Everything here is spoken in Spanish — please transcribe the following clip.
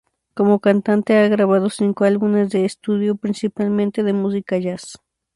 Como cantante, ha grabado cinco álbumes de estudio, principalmente de música jazz.